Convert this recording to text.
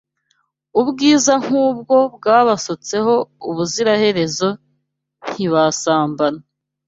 Ubwiza nkubwo bwabasutseho ubuziraherezo ntibasambana